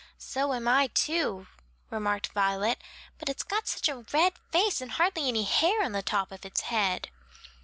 "So am I too," remarked Violet, "but it's got such a red face and hardly any hair on the top of its head."